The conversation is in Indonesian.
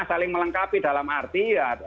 saling melengkapi dalam arti